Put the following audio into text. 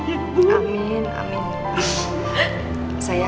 saya ke bagian administrasi dulu ya